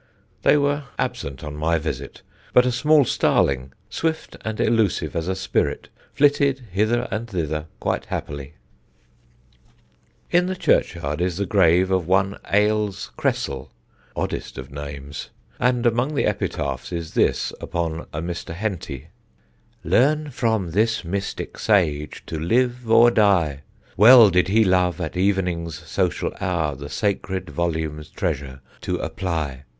They were absent on my visit, but a small starling, swift and elusive as a spirit, flitted hither and thither quite happily. [Illustration: Westham.] [Sidenote: ALES CRESSEL] In the churchyard is the grave of one Ales Cressel (oddest of names), and among the epitaphs is this upon a Mr. Henty: Learn from this mistic sage to live or die. Well did he love at evening's social hour The Sacred Volume's treasure to apply.